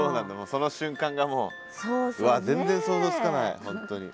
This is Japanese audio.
その瞬間がもううわっ全然想像つかない本当に。